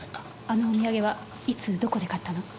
あのお土産はいつどこで買ったの？